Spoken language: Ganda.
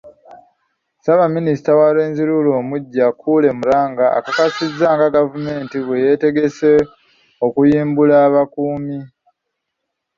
Ssaabaminisita wa Rwenzururu omuggya, Kule Muranga, akakasizza nga gavumenti bwe yeetegese okuyimbula abakuumi.